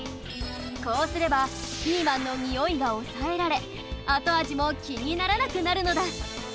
こうすればピーマンのにおいがおさえられ後味も気にならなくなるのだ